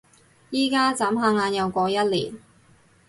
而家？眨下眼又過一年